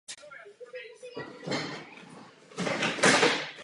Několik básnických i prozaických prací vydal i knižně.